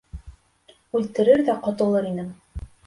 Үлтерер ҙә ҡотолор инем.